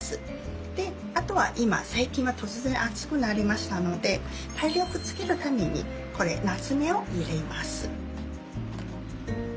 あとは最近は突然暑くなりましたので体力つけるためになつめを入れます。